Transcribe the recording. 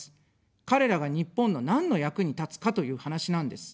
彼らが日本の何の役に立つかという話なんです。